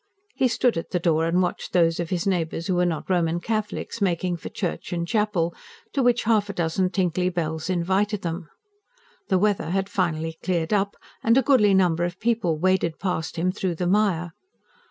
He stood at the door and watched those of his neighbours who were not Roman Catholics making for church and chapel, to which half a dozen tinkly bells invited them. The weather had finally cleared up, and a goodly number of people waded past him through the mire.